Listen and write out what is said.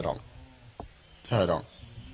กะนั่นเอง